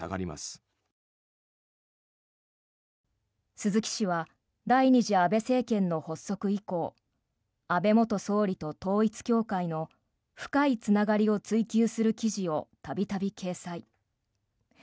鈴木氏は第２次安倍政権の発足以降安倍元総理と統一教会の深いつながりを追及する記事を度々、掲載。